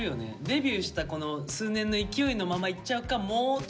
デビューしたこの数年の勢いのままいっちゃうかもうちょっと。